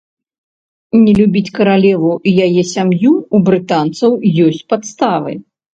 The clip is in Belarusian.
Не любіць каралеву і яе сям'ю ў брытанцаў ёсць падставы.